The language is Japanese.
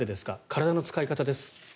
体の使い方です。